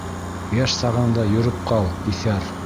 Йәш сағыңда йөрөп ҡал, иҫәр!